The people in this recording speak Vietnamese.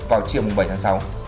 vào chiều bảy tháng sáu